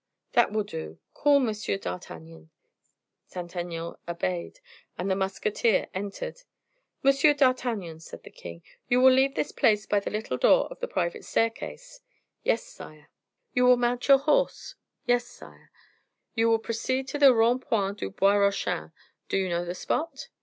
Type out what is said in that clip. "That will do. Call M. d'Artagnan." Saint Aignan obeyed, and the musketeer entered. "Monsieur d'Artagnan," said the king, "you will leave this place by the little door of the private staircase." "Yes, sire." "You will mount your horse." "Yes, sire." "And you will proceed to the Rond point du Bois Rochin. Do you know the spot?"